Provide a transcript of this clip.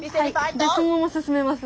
そのまま進めます？